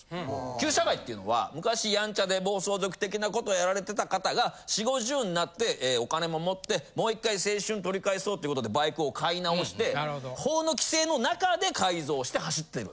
旧車會っていうのは昔ヤンチャで暴走族的な事をやられてた方が４０５０になってお金も持ってもう１回青春取り返そうって事でバイクを買いなおして法の規制の中で改造して走ってる。